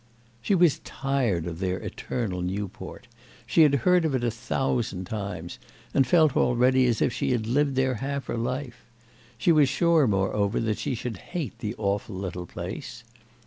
She was tired of their eternal Newport; she had heard of it a thousand times and felt already as if she had lived there half her life; she was sure, moreover, that she should hate the awful little place.